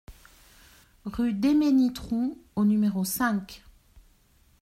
Rue Déménitroux au numéro cinq